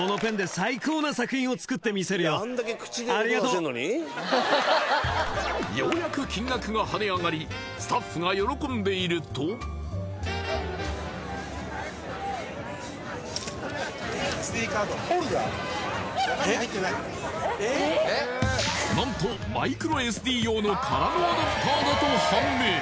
思わずようやく金額が跳ね上がりスタッフが喜んでいると何とマイクロＳＤ用のカードアダプターだと判明